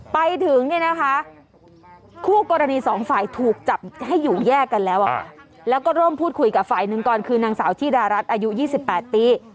ไปถึงเนี่ยนะคะคู่กรณีสองฝ่ายถูกจับให้อยู่แยกกันแล้วแล้วก็ร่วมพูดคุยกับฝ่ายหนึ่งก่อนคือนางสาวธิดารัฐอายุ๒๘ปี